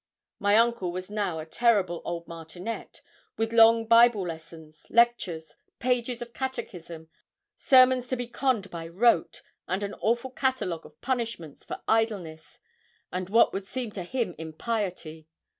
My uncle was now a terrible old martinet, with long Bible lessons, lectures, pages of catechism, sermons to be conned by rote, and an awful catalogue of punishments for idleness, and what would seem to him impiety.